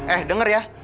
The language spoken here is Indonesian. eh denger ya